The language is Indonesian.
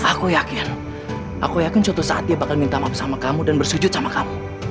aku yakin aku yakin suatu saat dia bakal minta maaf sama kamu dan bersujud sama kamu